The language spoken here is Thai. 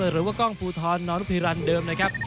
หรือว่ากล้องภูทรน้องพีรันเดิมนะครับ